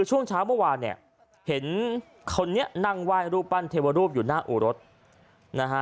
ช่วงเช้าเมื่อวานเนี่ยเห็นคนนี้นั่งไหว้รูปปั้นเทวรูปอยู่หน้าอู่รถนะฮะ